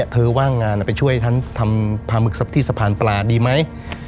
ว่างงานไปช่วยฉันทำปลาหมึกที่สะพานปลาดีไหม